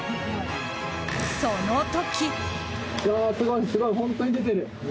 その時。